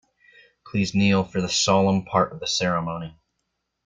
Please kneel for the solemn part of the ceremony.